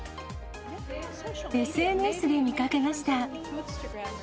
ＳＮＳで見かけました。